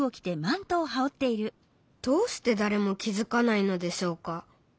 どうしてだれも気づかないのでしょうか？